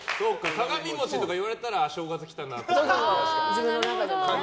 鏡餅とか言われたら正月来たなってね。